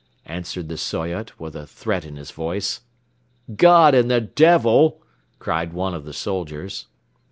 answered the Soyot, with a threat in his voice. "God and the Devil!" cried one of the soldiers.